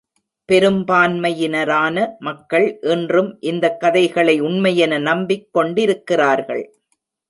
பெரும்பான்மையினரான மக்கள், இன்றும் இந்தக் கதைகளை உண்மையென நம்பிக் கொண்டிருக்கிறார்கள்.